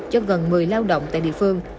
cho gần một mươi lao động tại địa phương